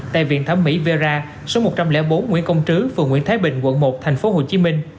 tại viện thẩm mỹ vera số một trăm linh bốn nguyễn công trứ phường nguyễn thái bình quận một tp hcm